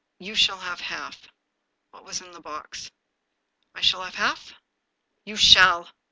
" You shall have half. What was in the box? " "I shall have half?" "You shall!"